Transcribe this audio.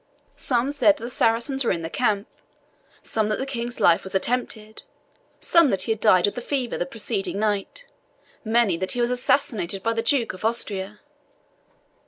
Some said the Saracens were in the camp, some that the King's life was attempted, some that he had died of the fever the preceding night, many that he was assassinated by the Duke of Austria.